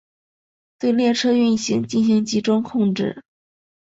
对列车运行进行集中控制。